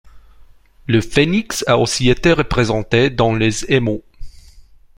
Le phénix a aussi été représenté dans les émaux.